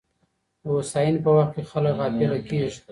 د هوساینې په وخت کي خلګ غافله کیږي.